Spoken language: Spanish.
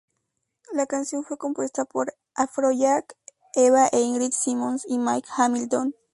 La canción fue compuesta por Afrojack, Eva e Ingrid Simons, y Mike Hamilton.